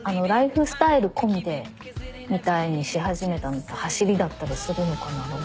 ライフスタイル込みでみたいにし始めたのはしりだったりするのかな？